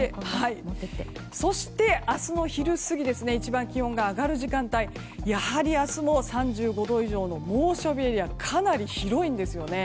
そして、明日の昼過ぎ一番気温が上がる時間帯やはり明日も３５度以上の猛暑日エリアがかなり広いんです。